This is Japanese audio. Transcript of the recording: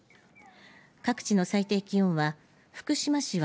各地の最低気温は福島市鷲